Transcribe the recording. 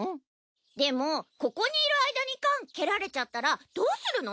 でもここにいる間に缶蹴られちゃったらどうするの？